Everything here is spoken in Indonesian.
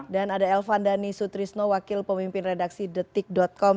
dan ada elvan dhani sutrisno wakil pemimpin redaksi detik com